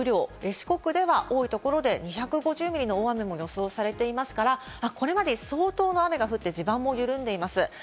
四国では多いところで２５０ミリの大雨も予想されていますから、これまでに相当な雨が降って地盤も緩んでいます。